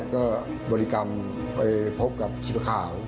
ก็บริกรรมไปพบกับทีมข่าว